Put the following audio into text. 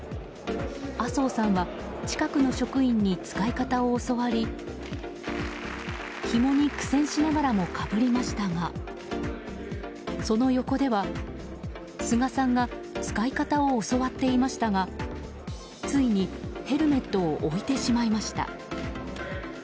麻生さんは近くの職員に使い方を教わりひもに苦戦しながらもかぶりましたがその横では、菅さんが使い方を教わっていましたがついにヘルメットを置いてしまいました。